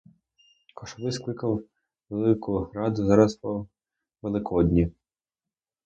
Кошовий скликав велику раду зараз по великодні.